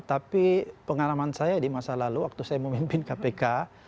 tapi pengalaman saya di masa lalu waktu saya memimpin kpk